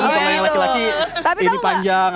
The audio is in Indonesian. terutama yang laki laki ini panjang